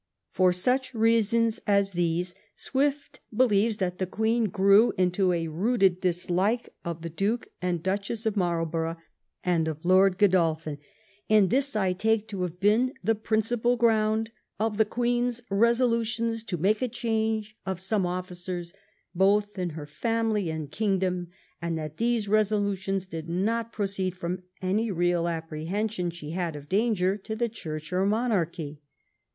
For such reasons as these Swift be lieves that the Queen grew into a rooted dislike of the Duke and Duchess of Marlborough and of Lord Qo dolphin, and ^^this I take to have been the principal ground of the Queen's resolutions to make a change of some officers both in her family and kingdom ; and that these resolutions did not proceed from any real appre hension she had of danger to the church or monarchy."